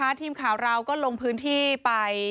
ทีมข่าวเราก็ลงพื้นที่ไป